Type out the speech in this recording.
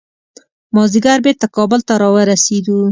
مازدیګر بیرته کابل ته راورسېدو.